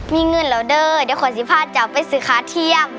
มีเงินแล้วเด้อนี่ขวานสิ้นผ้าจากไปศึกค้าเที่ยม